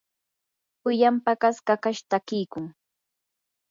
pullan paqas kakash takiykun.